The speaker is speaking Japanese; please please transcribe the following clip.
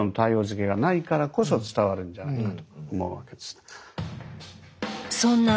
づけがないからこそ伝わるんじゃないかと思うわけですね。